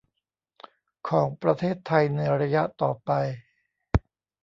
ของประเทศไทยในระยะต่อไป